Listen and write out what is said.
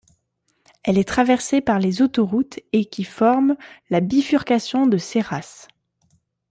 Elle est traversée par les autoroutes et qui forment la Bifurcation de Ceyras.